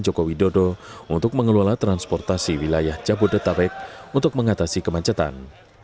jokowi dodo mengatasi kemancetan